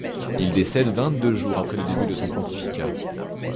Il décède vingt deux jours après le début de son pontificat.